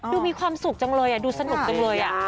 ดูมีความสุขจังเลยดูสนุกจังเลย